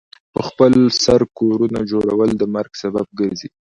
پخپل سر کورونو جوړول د مرګ سبب ګرځي.